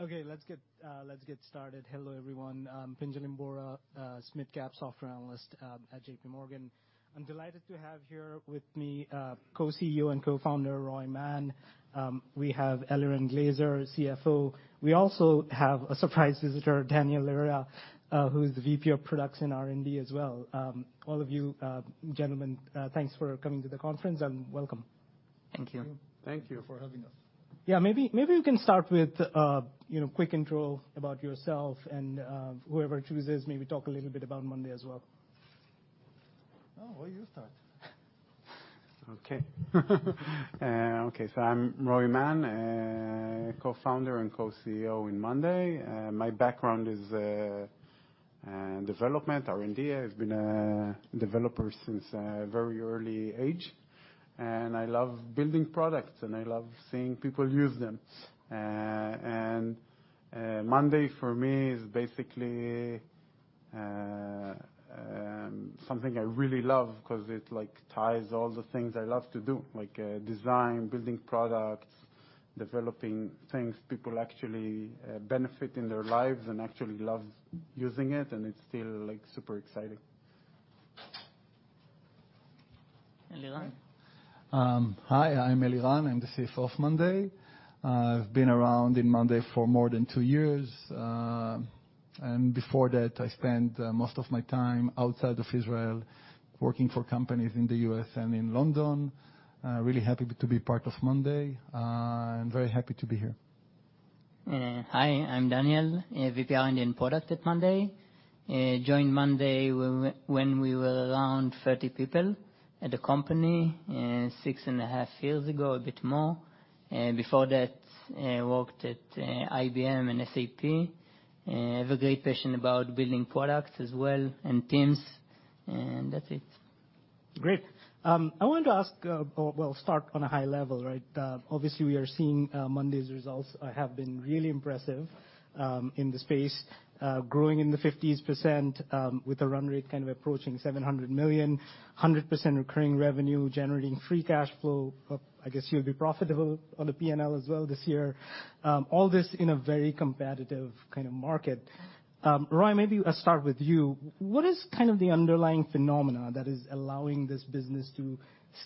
Okay, let's get, let's get started. Hello, everyone. I'm Pinjalim Bora, SMID Cap Software Analyst, at JPMorgan. I'm delighted to have here with me, Co-CEO and Co-founder, Roy Mann. We have Eliran Glazer, CFO. We also have a surprise visitor, Daniel Lereya, who is the VP of Product and R&D as well. All of you gentlemen, thanks for coming to the conference and welcome. Thank you. Thank you. Thank you for having us. Yeah, maybe you can start with, you know, quick intro about yourself and, whoever chooses, maybe talk a little bit about monday.com as well. No, Roy, you start. Okay. Okay. I'm Roy Mann, Co-Founder and Co-CEO in monday.com. My background is in development, R&D. I've been a developer since a very early age, and I love building products, and I love seeing people use them. monday.com for me is basically something I really love because it, like, ties all the things I love to do, like, design, building products, developing things people actually benefit in their lives and actually love using it, and it's still, like, super exciting. Eliran? Hi, I'm Eliran. I'm the CFO of monday.com. I've been around in monday.com for more than two years. Before that, I spent most of my time outside of Israel working for companies in the U.S. and in London. Really happy to be part of monday.com, and very happy to be here. Hi, I'm Daniel. VP R&D and Product at monday.com. joined monday.com when we were around 30 people at the company, six and a half years ago, a bit more. Before that, worked at IBM and SAP. I have a great passion about building products as well and teams, and that's it. Great. I wanted to ask, well, start on a high level, right? Obviously we are seeing monday.com's results have been really impressive in the space, growing in the 50%, with a run rate kind of approaching $700 million, 100% recurring revenue, generating free cash flow. I guess you'll be profitable on the P&L as well this year. All this in a very competitive kind of market. Roy, maybe I'll start with you. What is kind of the underlying phenomena that is allowing this business to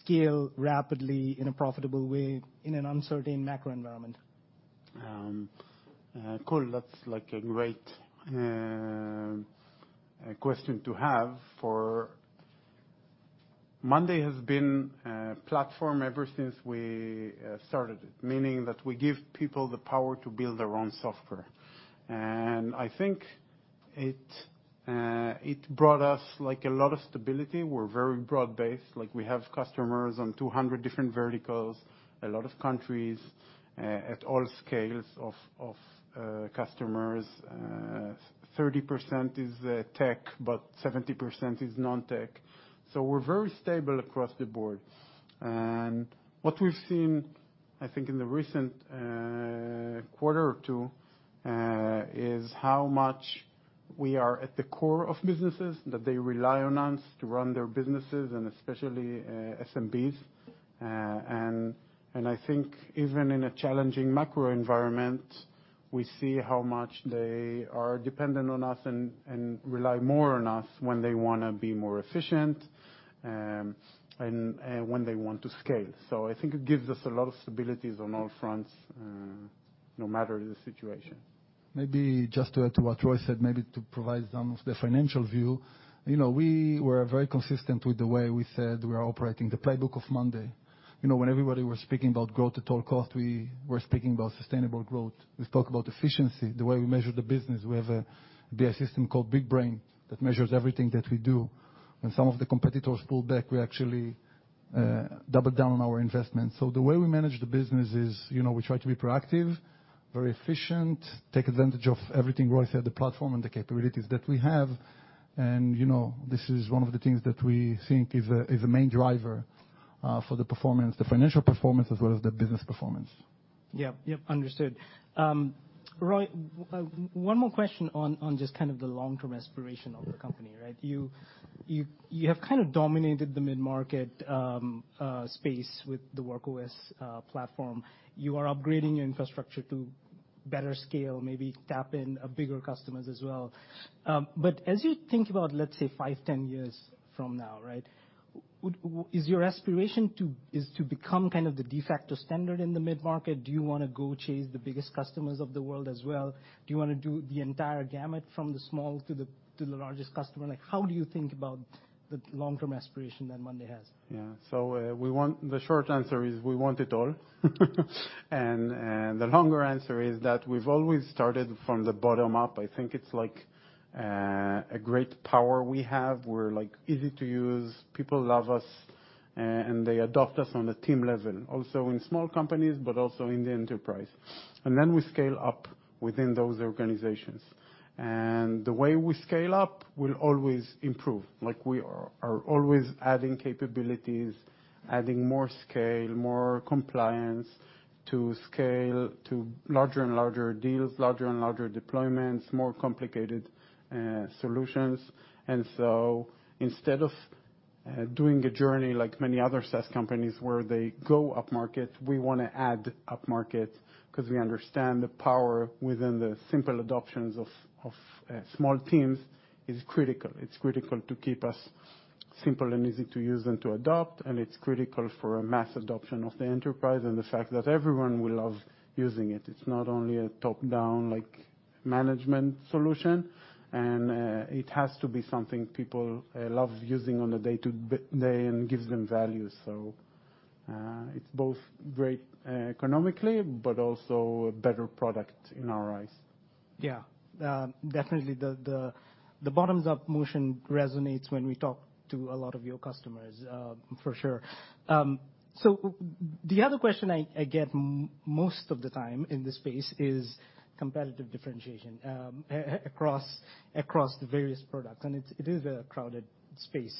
scale rapidly in a profitable way in an uncertain macro environment? Cool. That's like a great question to have for... monday.com has been a platform ever since we started it, meaning that we give people the power to build their own software. I think it brought us, like, a lot of stability. We're very broad-based. Like, we have customers on 200 different verticals, a lot of countries, at all scales of customers. 30% is tech, but 70% is non-tech. We're very stable across the board. What we've seen, I think in the recent quarter or two, is how much we are at the core of businesses, that they rely on us to run their businesses, and especially SMBs. I think even in a challenging macro environment, we see how much they are dependent on us and rely more on us when they wanna be more efficient, and when they want to scale. I think it gives us a lot of stabilities on all fronts, no matter the situation. Maybe just to add to what Roy said, maybe to provide some of the financial view. You know, we were very consistent with the way we said we are operating the playbook of monday.com. You know, when everybody was speaking about growth at all cost, we were speaking about sustainable growth. We spoke about efficiency, the way we measure the business. We have a BI system called BigBrain that measures everything that we do. When some of the competitors pulled back, we actually doubled down on our investment. The way we manage the business is, you know, we try to be proactive, very efficient, take advantage of everything Roy said, the platform and the capabilities that we have. You know, this is one of the things that we think is a main driver for the performance, the financial performance as well as the business performance. Yep, understood. Roy, one more question on just kind of the long-term aspiration of the company, right? You have kind of dominated the mid-market space with the Work OS platform. You are upgrading your infrastructure to better scale, maybe tap in bigger customers as well. As you think about, let's say five, 10 years from now, right? Is your aspiration to become kind of the de facto standard in the mid-market? Do you wanna go chase the biggest customers of the world as well? Do you wanna do the entire gamut from the small to the largest customer? Like, how do you think about the long-term aspiration that monday.com has? Yeah. The short answer is we want it all. The longer answer is that we've always started from the bottom up. I think it's like a great power we have. We're like easy to use. People love us, and they adopt us on the team level, also in small companies, but also in the enterprise. We scale up within those organizations. The way we scale up will always improve. Like, we are always adding capabilities, adding more scale, more compliance to scale to larger and larger deals, larger and larger deployments, more complicated solutions. Instead of doing a journey like many other SaaS companies where they go upmarket, we wanna add upmarket 'cause we understand the power within the simple adoptions of small teams is critical. It's critical to keep us simple and easy to use and to adopt. It's critical for a mass adoption of the enterprise and the fact that everyone will love using it. It's not only a top-down, like, management solution, and it has to be something people love using on a day-to-day and gives them value. It's both great economically, but also a better product in our eyes. Yeah. Definitely the, the bottoms-up motion resonates when we talk to a lot of your customers, for sure. So the other question I get most of the time in this space is competitive differentiation, across the various products. It is a crowded space.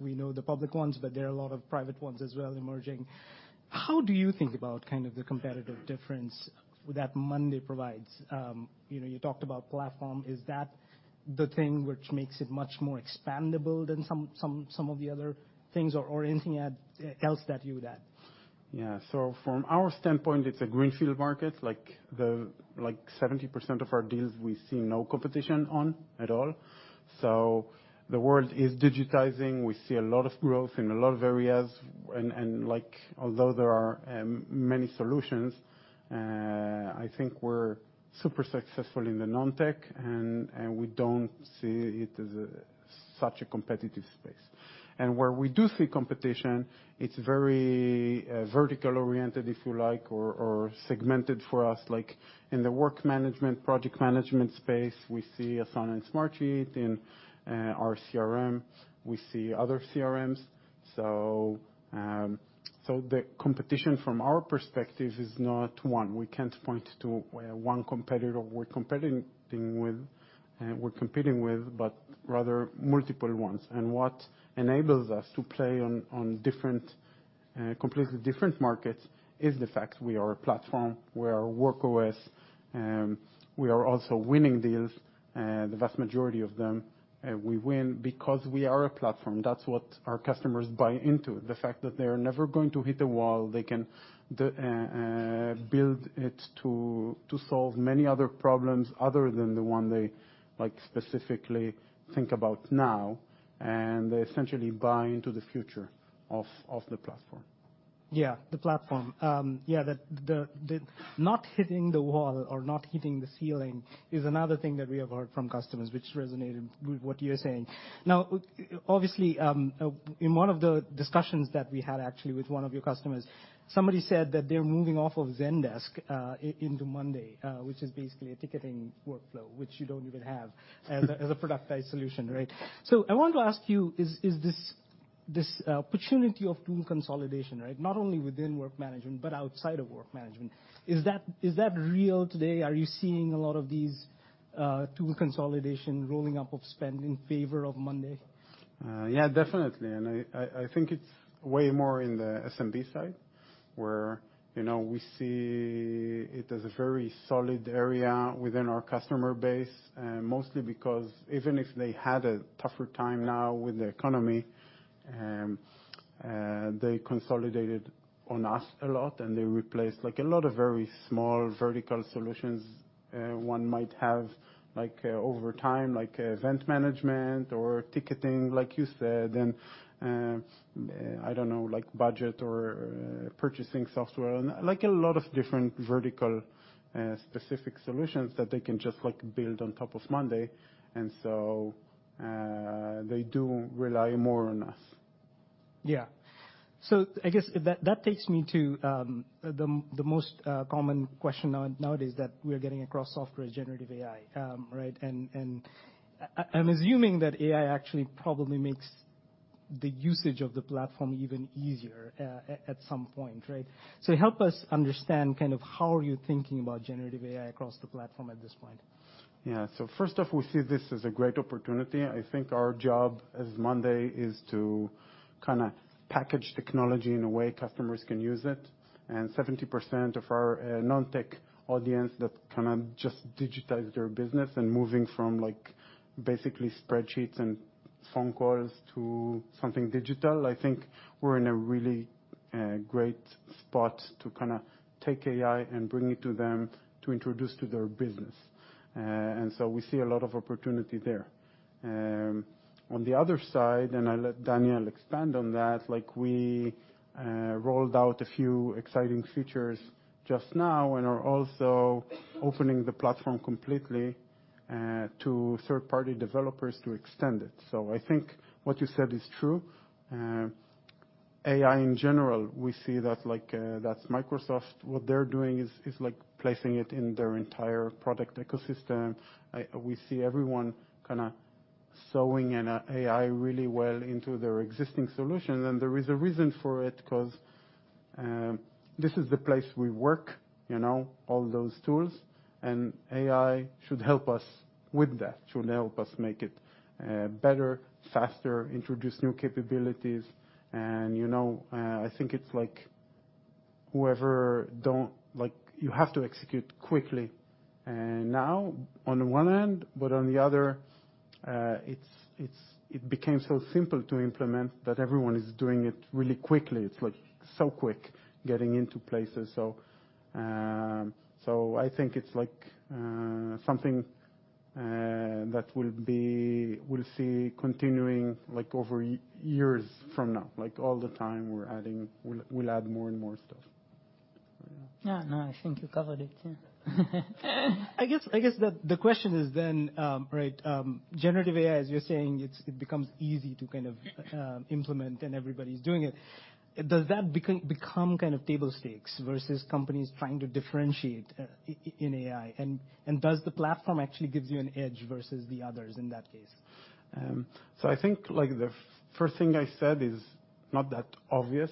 We know the public ones, there are a lot of private ones as well emerging. How do you think about kind of the competitive difference that monday.com provides? You know, you talked about platform. Is that the thing which makes it much more expandable than some of the other things or anything else that you add? Yeah. From our standpoint, it's a greenfield market. Like, 70% of our deals we see no competition on at all. The world is digitizing. We see a lot of growth in a lot of areas and like, although there are many solutions, I think we're super successful in the non-tech and we don't see it as such a competitive space. Where we do see competition, it's very vertical oriented, if you like, or segmented for us. Like, in the work management, project management space, we see Asana and Smartsheet. In our CRM, we see other CRMs. The competition from our perspective is not one. We can't point to one competitor we're competing with, but rather multiple ones. What enables us to play on different, completely different markets is the fact we are a platform, we are a Work OS, we are also winning deals, the vast majority of them, we win because we are a platform. That's what our customers buy into, the fact that they are never going to hit a wall. They can build it to solve many other problems other than the one they, like, specifically think about now, and they essentially buy into the future of the platform. Yeah, the platform. Yeah, not hitting the wall or not hitting the ceiling is another thing that we have heard from customers, which resonated with what you're saying. Obviously, in one of the discussions that we had actually with one of your customers, somebody said that they're moving off of Zendesk into monday.com, which is basically a ticketing workflow, which you don't even have as a productized solution, right? I want to ask you, is this opportunity of tool consolidation, right? Not only within work management, but outside of work management, is that real today? Are you seeing a lot of these tool consolidation rolling up of spend in favor of monday.com? Yeah, definitely. I think it's way more in the SMB side, where, you know, we see it as a very solid area within our customer base. Mostly because even if they had a tougher time now with the economy, they consolidated on us a lot and they replaced, like, a lot of very small vertical solutions, one might have, like, over time, like event management or ticketing, like you said, I don't know, like budget or purchasing software. Like a lot of different vertical specific solutions that they can just, like, build on top of monday.com. So, they do rely more on us. Yeah. I guess that takes me to the most common question nowadays that we're getting across software is Generative AI, right? I'm assuming that AI actually probably makes the usage of the platform even easier at some point, right? Help us understand kind of how are you thinking about Generative AI across the platform at this point. Yeah. First off, we see this as a great opportunity. I think our job as monday.com is to kinda package technology in a way customers can use it. 70% of our non-tech audience that kinda just digitize their business and moving from, like, basically spreadsheets and phone calls to something digital. I think we're in a really great spot to kinda take AI and bring it to them to introduce to their business. We see a lot of opportunity there. On the other side, and I'll let Daniel expand on that, like, we rolled out a few exciting features just now and are also opening the platform completely to third-party developers to extend it. I think what you said is true. AI in general, we see that, like, that's Microsoft. What they're doing is, like, placing it in their entire product ecosystem. We see everyone kinda sewing in AI really well into their existing solution, and there is a reason for it, 'cause this is the place we work, you know, all those tools, and AI should help us with that, should help us make it better, faster, introduce new capabilities. You know, I think it's like whoever don't... Like, you have to execute quickly. Now on the one hand, but on the other, it became so simple to implement that everyone is doing it really quickly. It's like so quick getting into places. I think it's like something that will be... We'll see continuing, like, over years from now. Like, all the time we're adding, we'll add more and more stuff. Yeah, no, I think you covered it, yeah. I guess the question is then, right, Generative AI, as you're saying, it becomes easy to kind of implement, and everybody's doing it. Does that become kind of table stakes versus companies trying to differentiate in AI? Does the platform actually gives you an edge versus the others in that case? I think, the first thing I said is not that obvious,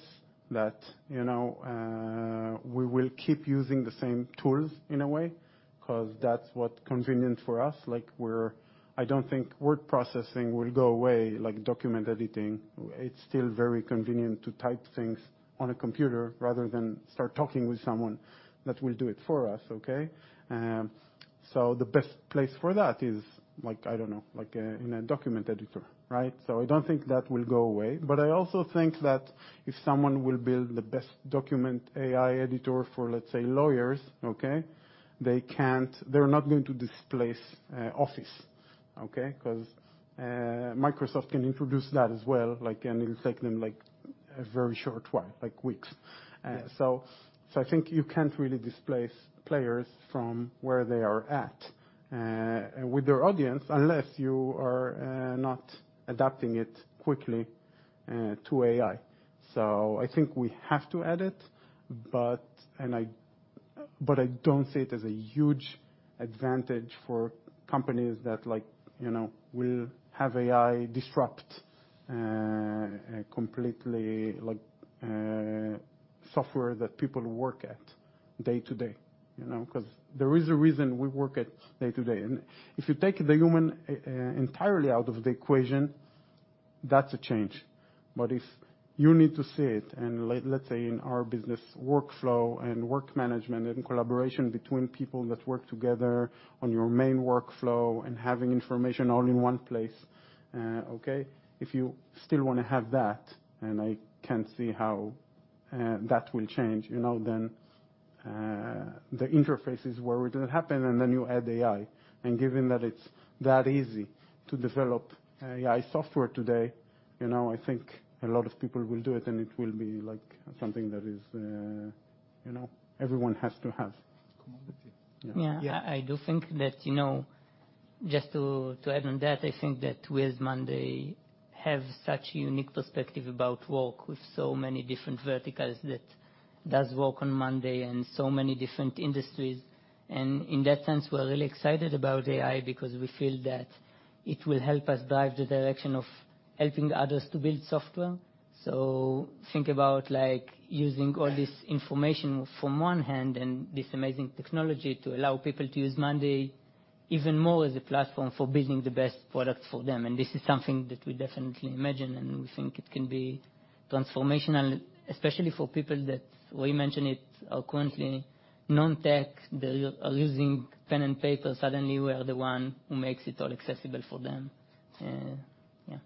that, you know, we will keep using the same tools in a way 'cause that's what's convenient for us. I don't think word processing will go away, like document editing. It's still very convenient to type things on a computer rather than start talking with someone that will do it for us, okay? The best place for that is, I don't know, in a document editor, right? I don't think that will go away. I also think that if someone will build the best document AI editor for, let's say, lawyers, okay? They're not going to displace Office, okay? 'Cause Microsoft can introduce that as well, and it'll take them a very short while, weeks. Yeah. I think you can't really displace players from where they are at with their audience, unless you are not adapting it quickly to AI. I think we have to add it. I don't see it as a huge advantage for companies that like, you know, will have AI disrupt completely, like software that people work at day to day, you know. 'Cause there is a reason we work at day to day. If you take the human entirely out of the equation, that's a change. If you need to see it, and like, let's say in our business workflow and work management and collaboration between people that work together on your main workflow and having information all in one place, okay? If you still wanna have that, and I can't see how, that will change, you know, then, the interfaces where it'll happen, and then you add AI. Given that it's that easy to develop AI software today, you know, I think a lot of people will do it, and it will be like something that is, you know, everyone has to have. Yeah. I do think that, you know, just to add on that, I think that we as monday.com have such unique perspective about work with so many different verticals that does work on monday.com and so many different industries. In that sense, we're really excited about AI because we feel that it will help us drive the direction of helping others to build software. Think about, like, using all this information from one hand and this amazing technology to allow people to use monday.com even more as a platform for building the best product for them, this is something that we definitely imagine, and we think it can be transformational, especially for people that we mention it are currently non-tech. They are using pen and paper. Suddenly, we are the one who makes it all accessible for them. Yeah.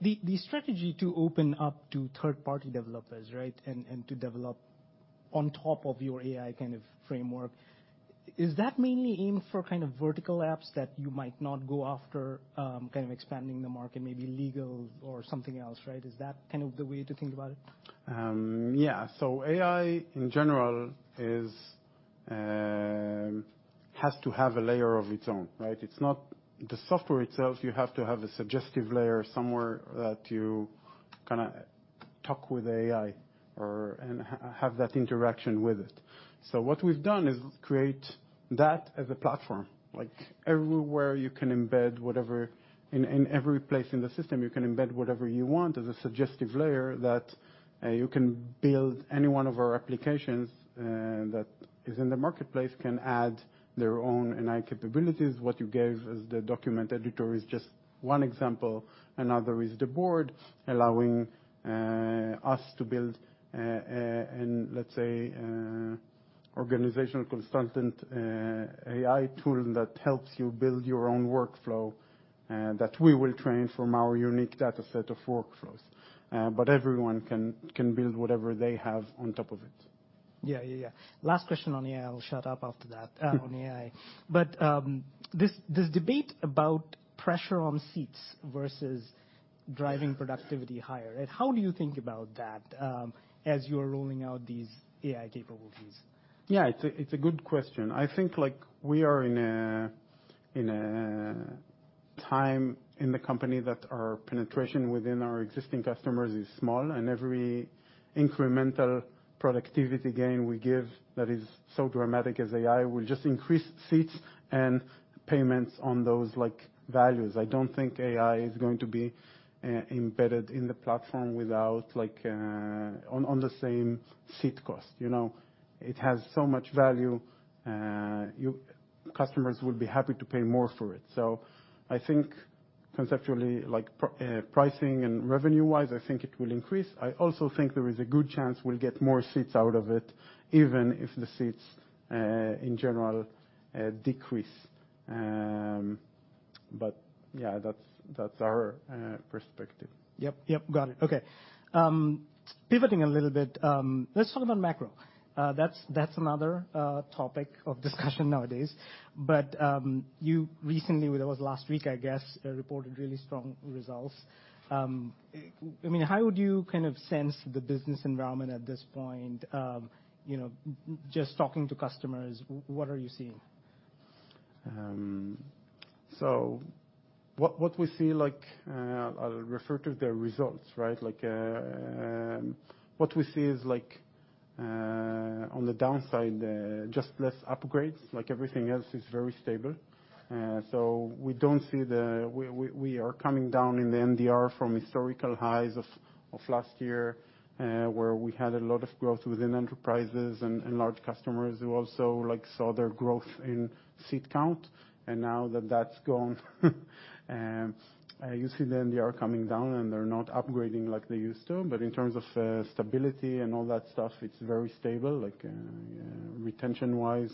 The strategy to open up to third-party developers, right? And to develop on top of your AI kind of framework, is that mainly aimed for kind of vertical apps that you might not go after, kind of expanding the market, maybe legal or something else, right? Is that kind of the way to think about it? AI in general is has to have a layer of its own, right? It's not the software itself. You have to have a suggestive layer somewhere that you kind of talk with AI or, and have that interaction with it. What we've done is create that as a platform. Everywhere you can embed whatever you want as a suggestive layer that you can build any one of our applications that is in the marketplace can add their own AI capabilities. What you gave as the document editor is just one example. Another is the board allowing us to build an, let's say, organizational consultant AI tool that helps you build your own workflow that we will train from our unique data set of workflows. everyone can build whatever they have on top of it. Yeah. Yeah, yeah. Last question on AI. I'll shut up after that, on AI. This debate about pressure on seats versus driving productivity higher, how do you think about that, as you're rolling out these AI capabilities? Yeah, it's a good question. I think, like, we are in a time in the company that our penetration within our existing customers is small, and every incremental productivity gain we give that is so dramatic as AI will just increase seats and payments on those, like, values. I don't think AI is going to be embedded in the platform without like, on the same seat cost. You know, it has so much value, you customers would be happy to pay more for it. I think, conceptually, like, pricing and revenue-wise, I think it will increase. I also think there is a good chance we'll get more seats out of it, even if the seats, in general, decrease. Yeah, that's our perspective. Yep. Yep. Got it. Okay. Pivoting a little bit, let's talk about macro. That's another topic of discussion nowadays. You recently, well, it was last week, I guess, reported really strong results. I mean, how would you kind of sense the business environment at this point? You know, just talking to customers, what are you seeing? So what we see, like, I'll refer to the results, right? Like, what we see is like, on the downside, just less upgrades, like everything else is very stable. So we don't see the. We, we are coming down in the NDR from historical highs of last year, where we had a lot of growth within enterprises and large customers who also, like, saw their growth in seat count. And now that that's gone, you see the NDR coming down, and they're not upgrading like they used to. But in terms of stability and all that stuff, it's very stable, like, retention-wise,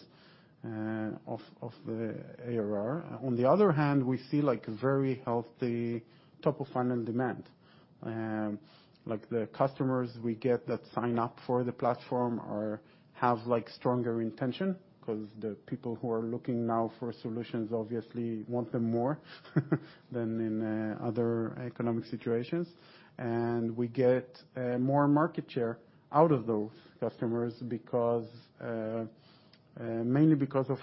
of the ARR. On the other hand, we see like a very healthy top-of-funnel demand. Like the customers we get that sign up for the platform have, like, stronger intention 'cause the people who are looking now for solutions obviously want them more than in other economic situations. We get more market share out of those customers because mainly because of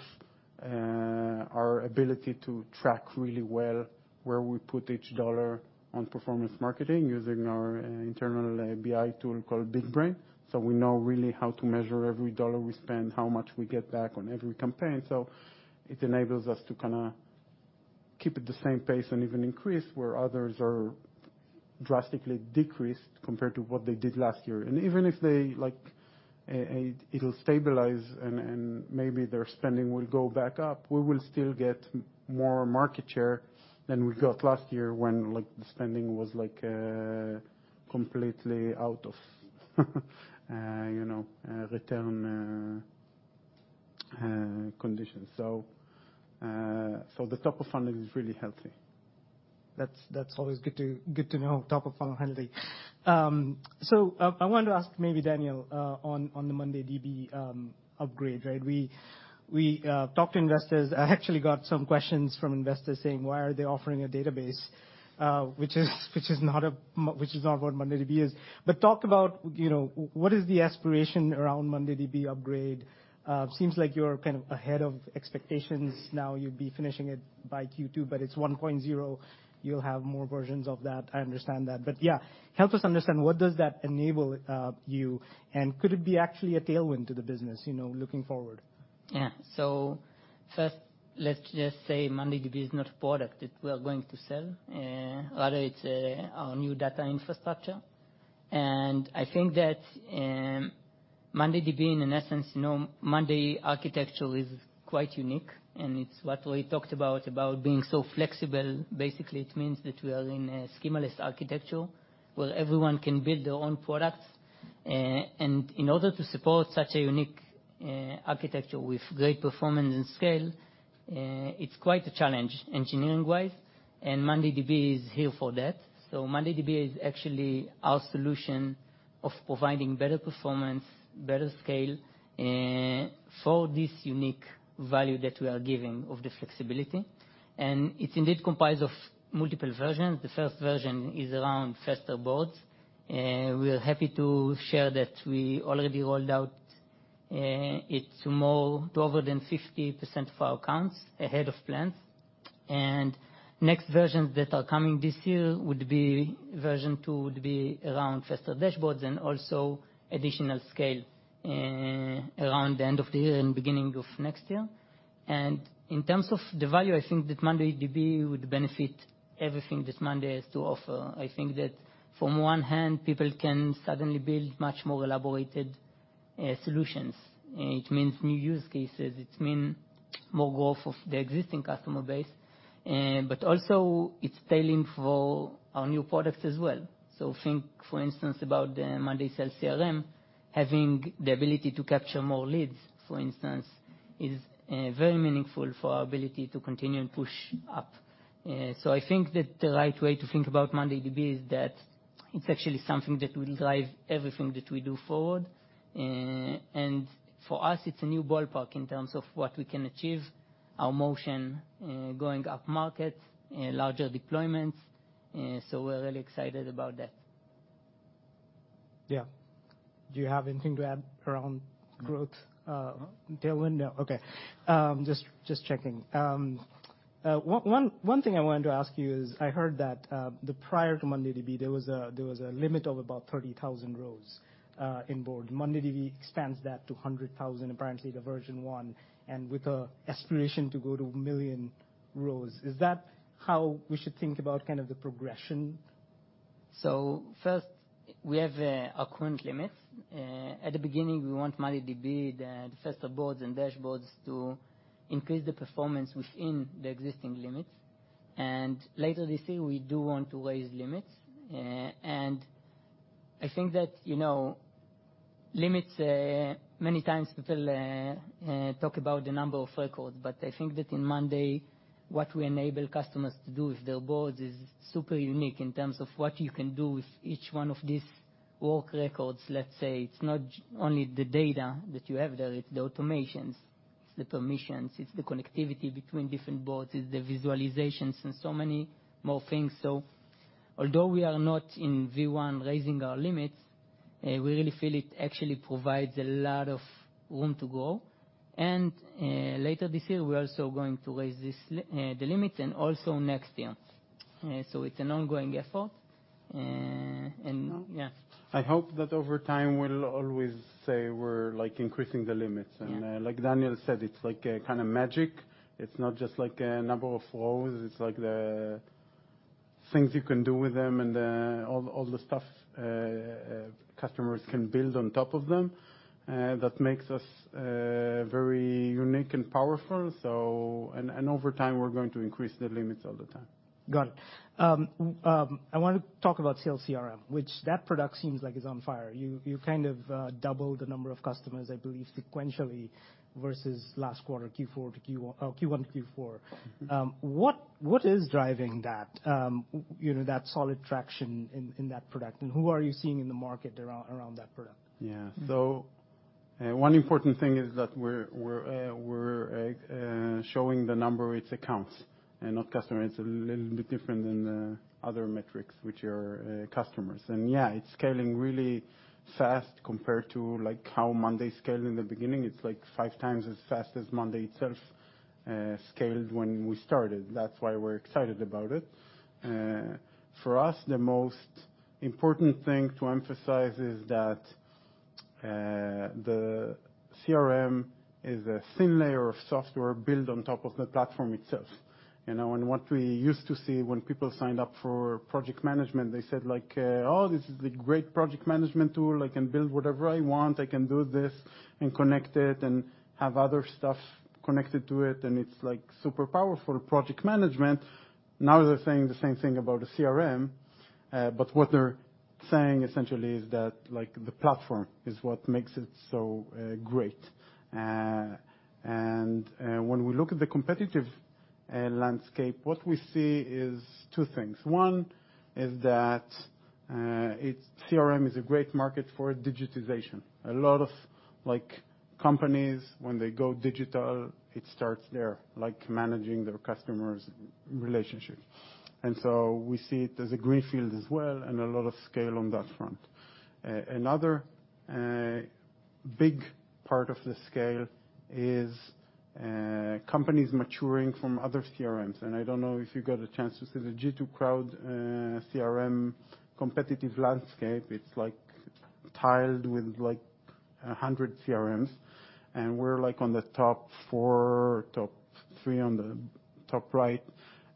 our ability to track really well where we put each $1 on performance marketing using our internal BI tool called BigBrain. We know really how to measure every $1 we spend, how much we get back on every campaign. It enables us to kinda keep at the same pace and even increase where others are drastically decreased compared to what they did last year. Even if they, like, it'll stabilize and maybe their spending will go back up, we will still get more market share than we got last year when, like, the spending was like, completely out of, you know, return conditions. The top of funnel is really healthy. That's always good to know, top of funnel healthy. I wanted to ask maybe Daniel on the mondayDB upgrade, right? We talked to investors. I actually got some questions from investors saying, "Why are they offering a database?" which is not what mondayDB is. Talk about, you know, what is the aspiration around mondayDB upgrade. Seems like you're kind of ahead of expectations now. You'll be finishing it by Q2, but it's 1.0. You'll have more versions of that, I understand that. Yeah, help us understand what does that enable you, and could it be actually a tailwind to the business, you know, looking forward? Yeah. First, let's just say mondayDB is not a product that we are going to sell. Rather, it's our new data infrastructure. I think that, mondayDB, in essence, you know, monday architecture is quite unique, and it's what Roy talked about being so flexible. Basically, it means that we are in a schemaless architecture where everyone can build their own products. In order to support such a unique architecture with great performance and scale, it's quite a challenge engineering-wise, and mondayDB is here for that. mondayDB is actually our solution of providing better performance, better scale, for this unique value that we are giving of the flexibility. It's indeed comprised of multiple versions. The first version is around faster boards. We are happy to share that we already rolled out it to over than 50% of our accounts ahead of plans. Next versions that are coming this year would be Version 2.0, would be around faster dashboards and also additional scale around the end of the year and beginning of next year. In terms of the value, I think that mondayDB would benefit everything that monday has to offer. I think that from one hand, people can suddenly build much more elaborated solutions. It means new use cases. It mean more growth of the existing customer base. Also it's tailing for our new products as well. Think, for instance, about the monday sales CRM. Having the ability to capture more leads, for instance, is very meaningful for our ability to continue and push up. I think that the right way to think about mondayDB is that it's actually something that will drive everything that we do forward. For us, it's a new ballpark in terms of what we can achieve, our motion, going up market, larger deployments, so we're really excited about that. Yeah. Do you have anything to add around growth, tailwind? No. Okay. Just checking. One thing I wanted to ask you is I heard that prior to mondayDB, there was a limit of about 30,000 rows in board. mondayDB expands that to 100,000, apparently the Version 1.0, and with a aspiration to go to 1 million rows. Is that how we should think about kind of the progression? First, we have our current limits. At the beginning, we want mondayDB, the festival boards and dashboards to increase the performance within the existing limits. Later this year, we do want to raise limits. I think that, you know, limits, many times people talk about the number of records, but I think that in Monday, what we enable customers to do with their boards is super unique in terms of what you can do with each one of these work records, let's say. It's not only the data that you have there, it's the automations, it's the permissions, it's the connectivity between different boards, it's the visualizations and so many more things. Although we are not in V1 raising our limits, we really feel it actually provides a lot of room to grow. later this year, we're also going to raise the limits and also next year. It's an ongoing effort. Yeah. I hope that over time we'll always say we're, like, increasing the limits. Yeah. Like Daniel Lereya said, it's like kinda magic. It's not just like a number of rows, it's like the things you can do with them and, all the stuff customers can build on top of them, that makes us very unique and powerful. Over time, we're going to increase the limits all the time. Got it. I wanna talk about sales CRM, which that product seems like it's on fire. You kind of doubled the number of customers, I believe, sequentially versus last quarter, Q1 to Q4. What is driving that, you know, that solid traction in that product? Who are you seeing in the market around that product? One important thing is that we're showing the number of its accounts and not customers. It's a little bit different than other metrics, which are customers. It's scaling really fast compared to, like, how monday.com scaled in the beginning. It's like 5x as fast as monday.com itself scaled when we started. We're excited about it. For us, the most important thing to emphasize is that the CRM is a thin layer of software built on top of the platform itself, you know. What we used to see when people signed up for project management, they said like, "Oh, this is the great project management tool. I can build whatever I want. I can do this and connect it and have other stuff connected to it, and it's like super powerful project management." Now they're saying the same thing about the CRM, but what they're saying essentially is that, like, the platform is what makes it so great. When we look at the competitive landscape, what we see is two things. One is that CRM is a great market for digitization. A lot of, like, companies, when they go digital, it starts there, like managing their customers' relationship. We see it as a greenfield as well and a lot of scale on that front. Another big part of the scale is companies maturing from other CRMs. I don't know if you got a chance to see the G2 Crowd CRM competitive landscape. It's like tiled with like 100 CRMs, and we're like on the top four or top three on the top right,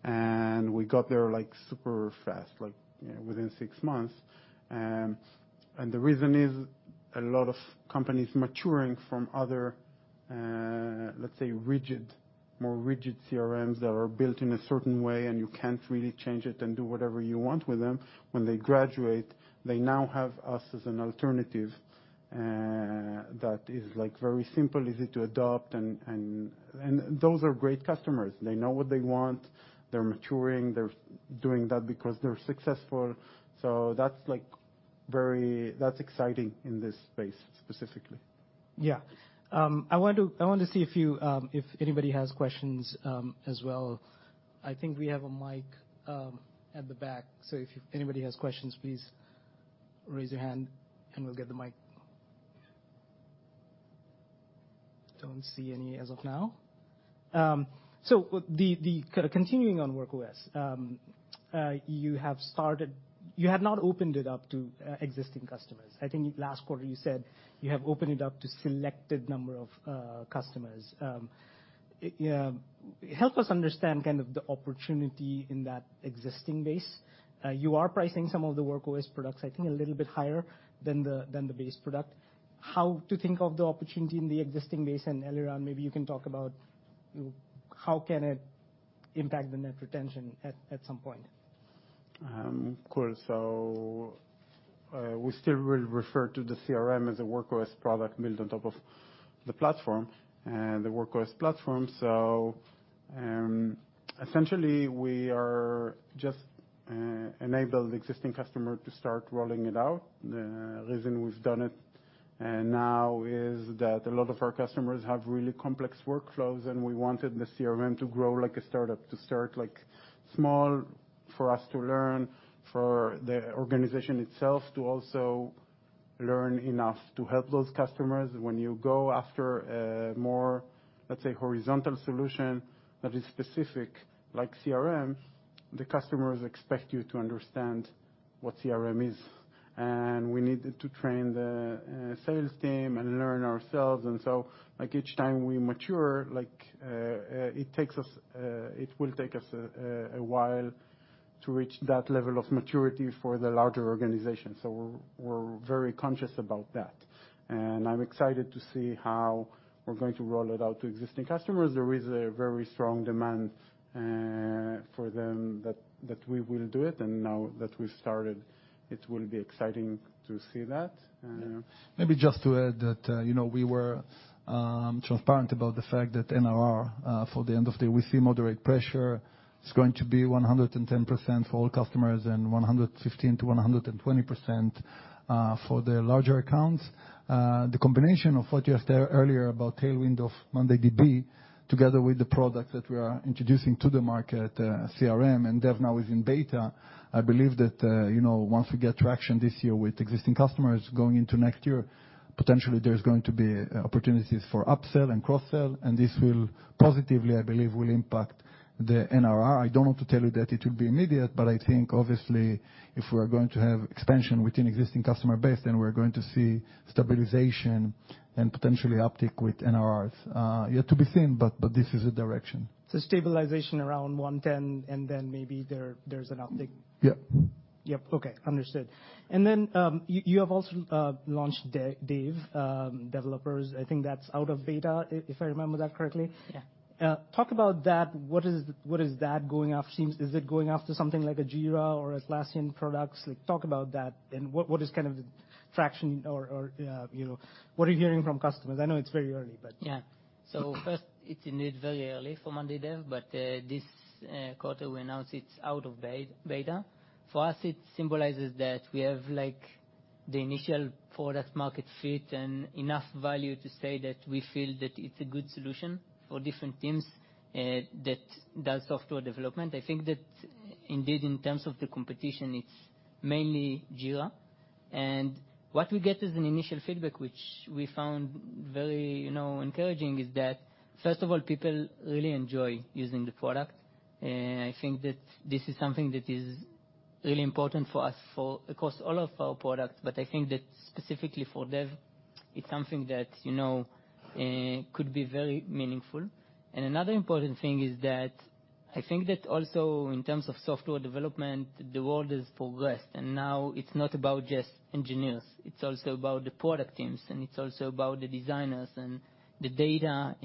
and we got there like super fast, like, you know, within 6 months. The reason is a lot of companies maturing from other, let's say rigid, more rigid CRMs that are built in a certain way, and you can't really change it and do whatever you want with them. When they graduate, they now have us as an alternative that is like very simple, easy to adopt, and, and those are great customers. They know what they want. They're maturing. They're doing that because they're successful. That's like exciting in this space specifically. Yeah. I want to see if you, if anybody has questions, as well. I think we have a mic at the back. If anybody has questions, please raise your hand, and we'll get the mic. Don't see any as of now. The kind of continuing on Work OS, you had not opened it up to existing customers. I think last quarter you said you have opened it up to selected number of customers. Help us understand kind of the opportunity in that existing base. You are pricing some of the Work OS products, I think a little bit higher than the base product. How to think of the opportunity in the existing base? Eliran, maybe you can talk about how can it impact the net retention at some point. Cool. We still will refer to the CRM as a Work OS product built on top of the platform, the Work OS platform. Essentially, we are just enabled existing customer to start rolling it out. The reason we've done it now is that a lot of our customers have really complex workflows, and we wanted the CRM to grow like a startup, to start like small for us to learn, for the organization itself to also learn enough to help those customers. When you go after a more, let's say, horizontal solution that is specific like CRM, the customers expect you to understand what CRM is. We needed to train the sales team and learn ourselves. Like each time we mature, like, it takes us... It will take us a while to reach that level of maturity for the larger organization. We're very conscious about that. I'm excited to see how we're going to roll it out to existing customers. There is a very strong demand for them that we will do it. Now that we've started, it will be exciting to see that. Maybe just to add that, you know, we were transparent about the fact that NRR for the end of the year, we see moderate pressure. It's going to be 110% for all customers and 115%-120% for the larger accounts. The combination of what you heard earlier about tailwind of mondayDB together with the product that we are introducing to the market, CRM and monday dev now is in beta. I believe that, you know, once we get traction this year with existing customers going into next year, potentially there's going to be opportunities for upsell and cross-sell, and this will positively, I believe, will impact the NRR. I don't want to tell you that it will be immediate, but I think obviously if we're going to have expansion within existing customer base, then we're going to see stabilization and potentially uptick with NRR, yet to be seen, but this is a direction. Stabilization around 110 and then maybe there's an uptick. Yeah. Yep. Okay. Understood. Then you have also launched monday dev. I think that's out of beta, if I remember that correctly. Yeah. Talk about that. What is that going after? Seems is it going after something like a Jira or Atlassian products? Like, talk about that. What is kind of the traction or, you know, what are you hearing from customers? I know it's very early, but. First, it's indeed very early for monday.com dev, but this quarter we announced it's out of beta. For us, it symbolizes that we have like the initial product market fit and enough value to say that we feel that it's a good solution for different teams that does software development. I think that indeed, in terms of the competition, it's mainly Jira. What we get as an initial feedback, which we found very, you know, encouraging, is that, first of all, people really enjoy using the product. I think that this is something that is really important for us for across all of our products, but I think that specifically for dev, it's something that, you know, could be very meaningful. Another important thing is that I think that also in terms of software development, the world has progressed, and now it's not about just engineers, it's also about the product teams, and it's also about the designers and the data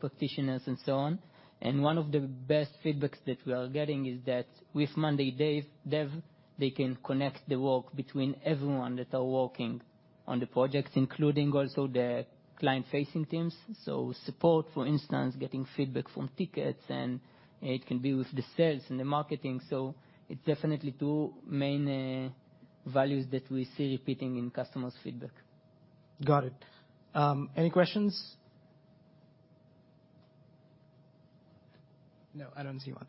practitioners and so on. One of the best feedbacks that we are getting is that with monday.com dev, they can connect the work between everyone that are working on the projects, including also the client-facing teams. Support, for instance, getting feedback from tickets, and it can be with the sales and the marketing. It's definitely two main values that we see repeating in customers feedback. Got it. Any questions? No, I don't see one.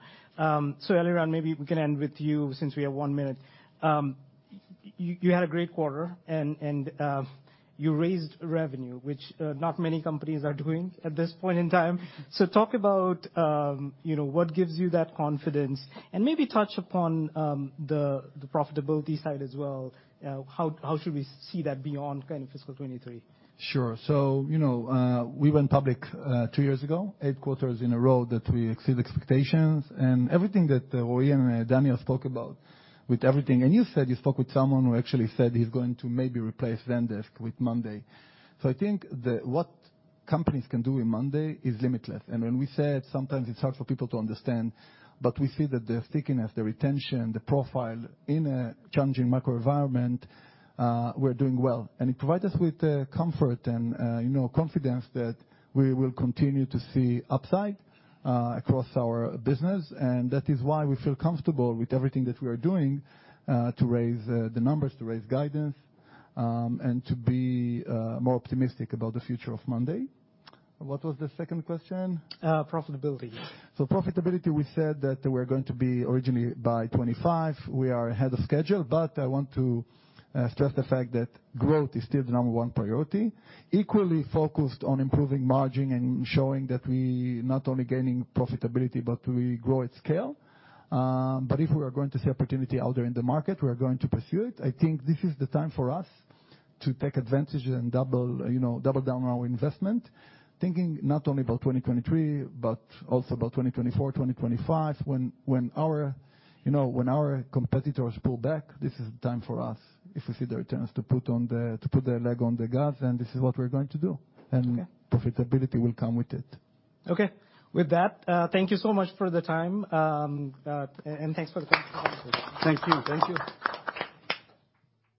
Eliran, maybe we can end with you since we have one minute. You had a great quarter and you raised revenue, which, not many companies are doing at this point in time. Talk about, you know, what gives you that confidence and maybe touch upon the profitability side as well. How should we see that beyond kind of fiscal 2023? Sure, you know, we went public two years ago, eight quarters in a row that we exceed expectations. Everything that Roy and Daniel spoke about. You said you spoke with someone who actually said he's going to maybe replace Zendesk with monday.com. I think what companies can do in monday.com is limitless. When we say it, sometimes it's hard for people to understand, but we see that the stickiness, the retention, the profile in a challenging macro environment, we're doing well. It provide us with the comfort and, you know, confidence that we will continue to see upside across our business. That is why we feel comfortable with everything that we are doing to raise the numbers, to raise guidance, and to be more optimistic about the future of monday.com. What was the second question? profitability. Profitability, we said that we're going to be originally by 2025. We are ahead of schedule, I want to stress the fact that growth is still the number one priority. Equally focused on improving margin and showing that we not only gaining profitability, but we grow at scale. If we are going to see opportunity out there in the market, we are going to pursue it. I think this is the time for us to take advantage and double, you know, double down our investment. Thinking not only about 2023, but also about 2024, 2025, when our, you know, when our competitors pull back, this is the time for us, if we see the returns, to put the leg on the gas, and this is what we're going to do. Okay. Profitability will come with it. Okay. With that, thank you so much for the time. Thanks for the presentation. Thank you. Thank you.